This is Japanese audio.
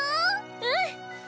うん！